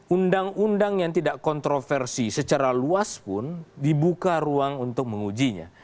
undang undang yang tidak kontroversi secara luas pun dibuka ruang untuk mengujinya